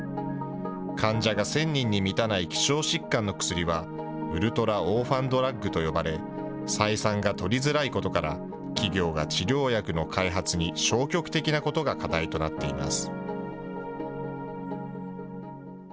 患者が１０００人に満たない希少疾患の薬は、ウルトラオーファンドラッグと呼ばれ、採算が取りづらいことから、企業が治療薬の開発に消極的なことが課題となっています。